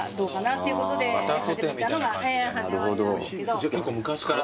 じゃあ結構昔から？